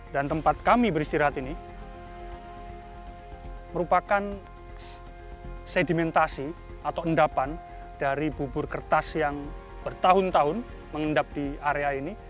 dan tempat kami beristirahat ini merupakan sedimentasi atau endapan dari bubur kertas yang bertahun tahun mengendapkan